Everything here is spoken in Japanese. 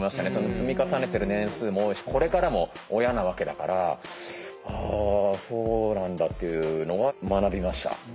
積み重ねてる年数も多いしこれからも親なわけだからあそうなんだっていうのは学びました。